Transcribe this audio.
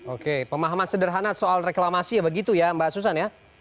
oke pemahaman sederhana soal reklamasi ya begitu ya mbak susan ya